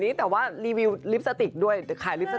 ๗สีจะไม่ผิดนะครับ